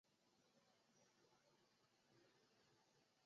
无神论人口统计的困难是多方面原因造成的。